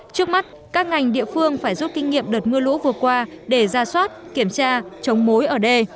trước mắt các ngành địa phương phải rút kinh nghiệm đợt mưa lũ vừa qua để ra soát kiểm tra chống mối ở đây